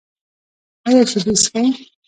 ایا شیدې څښئ؟